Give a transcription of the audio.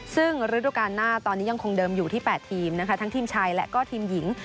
ซึ่งฤดูการหน้าตอนนี้ยังคงเดิมอยู่ที่๘ทีมนะคะทั้งทีมชายและก็ทีมหญิง